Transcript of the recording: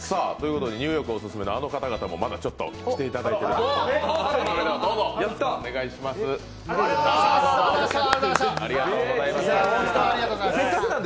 ニューヨークオススメのあの方々にも、まだちょっと来ていただいていますので。